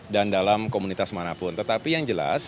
dan dalam komunitas manapun tetapi yang jelas